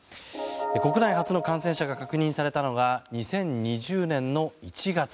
国内初の感染者が確認されたのが２０２０年の１月。